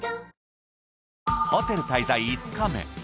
ホテル滞在５日目。